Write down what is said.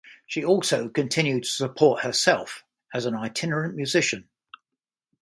She also continued to support herself as an itinerant musician.